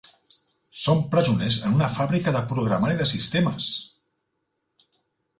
Som presoners en una fàbrica de programari de sistemes!